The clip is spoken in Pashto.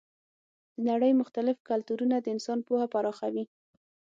د نړۍ مختلف کلتورونه د انسان پوهه پراخوي.